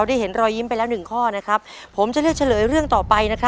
ตัวเลขที่๑ประเภทที่๓ค่ะ